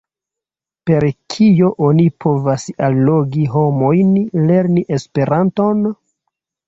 Per kio oni povas allogi homojn lerni Esperanton?